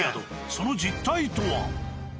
その実態とは？